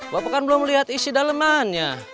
bapak kan belum lihat isi dalemannya